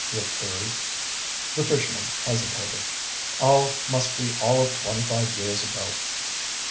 Rick queried. The fisherman hesitated. "Oh, must be all of twenty five years ago.